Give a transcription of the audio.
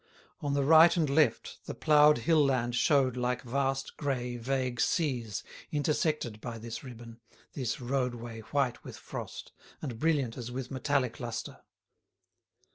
On the right and left the ploughed hill land showed like vast, grey, vague seas intersected by this ribbon, this roadway white with frost, and brilliant as with metallic lustre.